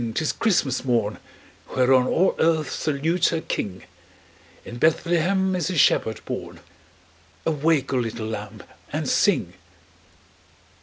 'tis Christmas morn, Whereon all earth salutes her King! In Bethlehem is the Shepherd born. Awake, O little lamb, and sing!"